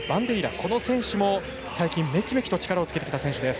この選手も、最近、めきめきと力をつけてきた選手です。